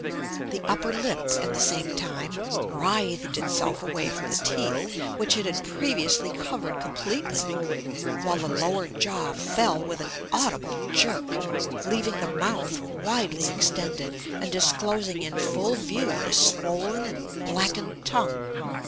The upper lip, at the same time, writhed itself away from the teeth, which it had previously covered completely; while the lower jaw fell with an audible jerk, leaving the mouth widely extended, and disclosing in full view the swollen and blackened tongue.